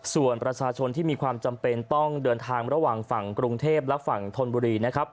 ส่วนประชาชนที่มีความจำเป็นต้องเดินทางระหว่างฝั่งกรุงเทพและฝั่งธนบุรีนะครับ